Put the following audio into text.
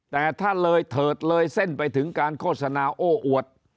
แต่ถ้าเลยเถิดเลยเส้นไปถึงการโฆษณาโอ้อวด